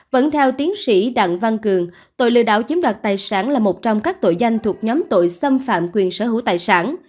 vẫn theo tiến sĩ đặng văn cường tội lừa đảo chiếm đoạt tài sản là một trong các tội danh thuộc nhóm tội xâm phạm quyền sở hữu tài sản